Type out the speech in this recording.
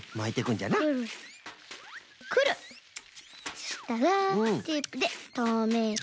そしたらテープでとめて。